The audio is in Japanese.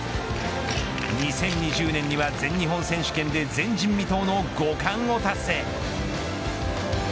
２０２０年には全日本選手権で前人未踏の５冠を達成。